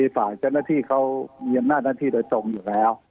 ฝ่ายเจ้าหน้าที่เขามีอำนาจหน้าที่โดยตรงอยู่แล้ว